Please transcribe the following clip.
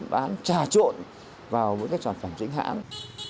bán trà trộn vào với các sản phẩm chính hãng